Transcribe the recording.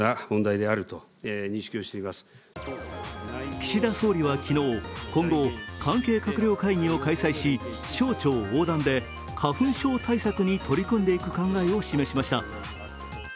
岸田総理は昨日、今後関係閣僚会議を開催し省庁横断で花粉症対策に取り組んでいく考えを示しました。